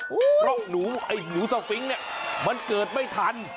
เพราะหนูหนูสฟิงก์มันเกิดไม่ทัน